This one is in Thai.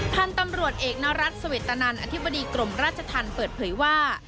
พันธุ์ตำรวจเอกนรัฐเสวตนันอธิบดีกรมราชธรรมเปิดเผยว่า